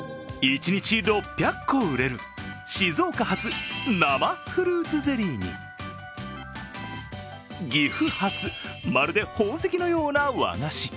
一日６００個売れる静岡発、生フルーツゼリーに岐阜発、まるで宝石のような和菓子